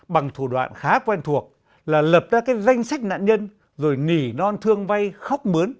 bằng thủ đoạn khá quen thuộc là lập ra danh sách nạn nhân rồi nỉ non thương vay khóc mướn